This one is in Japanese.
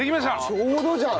ちょうどじゃん！